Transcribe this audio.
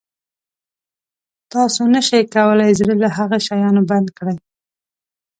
تاسو نه شئ کولای زړه له هغه شیانو بند کړئ.